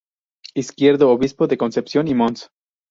Izquierdo, Obispo de Concepción, y Mons.